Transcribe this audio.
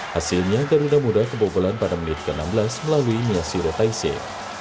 hasilnya garuda muda kebobolan pada menit ke enam belas melalui miyashiro taisei